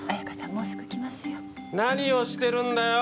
もうすぐ来ますよ何をしてるんだよ！